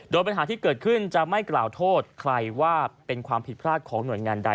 โดยปัญหาที่เกิดขึ้นจะไม่กล่าวโทษใครว่าเป็นความผิดพลาดของหน่วยงานใด